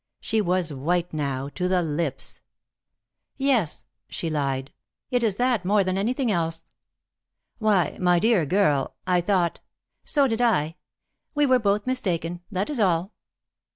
She was white, now, to the lips. "Yes," she lied. "It is that more than anything else." "Why, my dear girl! I thought " "So did I. We were both mistaken, that is all."